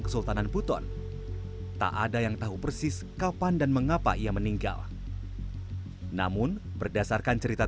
kesultanan buton tak ada yang tahu persis kapan dan mengapa ia meninggal namun berdasarkan cerita